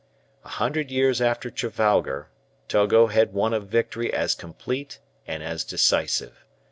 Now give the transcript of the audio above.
A hundred years after Trafalgar Togo had won a victory as complete and as decisive.